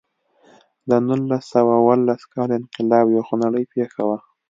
د نولس سوه اوولس کال انقلاب یوه خونړۍ پېښه وه.